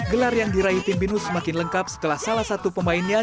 gelar yang diraih tim binus semakin lengkap setelah salah satu pemainnya